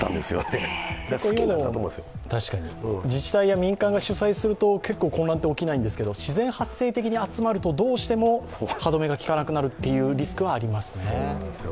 確かに自治体や民間が主催すると混乱は起きないんですけど、自然発生的に集まるとどうしても歯止めがきかなくなるというリスクはありますよね。